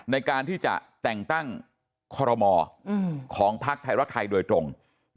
ในการที่จะแต่งตั้งคอรมอของพักไทยรักไทยโดยตรง